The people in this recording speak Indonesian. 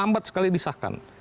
lampat sekali disahkan